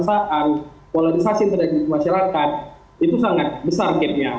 pembahasan polarisasi terhadap masyarakat itu sangat besar gap nya